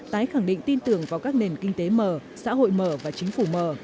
tái khẳng định tin tưởng vào các nền kinh tế mở xã hội mở và chính phủ mở